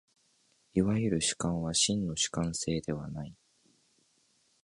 いわゆる主観は真の主観性ではない。